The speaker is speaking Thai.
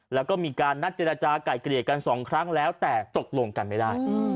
แล้วก็มีการนัดเจรจาก่ายเกลี่ยกันสองครั้งแล้วแต่ตกลงกันไม่ได้